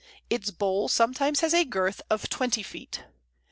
Its bole sometimes has a girth of twenty feet.